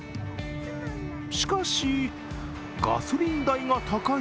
しかし、ガソリン代が高い